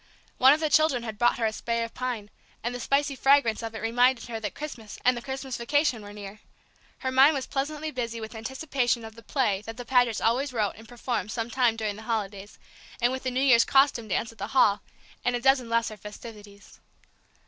One of the children had brought her a spray of pine, and the spicy fragrance of it reminded her that Christmas and the Christmas vacation were near; her mind was pleasantly busy with anticipation of the play that the Pagets always wrote and performed some time during the holidays, and with the New Year's costume dance at the Hall, and a dozen lesser festivities.